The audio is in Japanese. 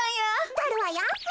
とるわよ。